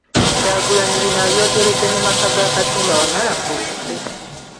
Kyagulanyi bino abyogeredde mu maka ga Katumba Wamala ku lumbe .